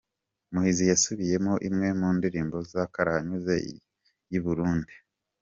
Muhizi yasubiyemo imwe mu ndirimbo za karahanyuze y’i Burundi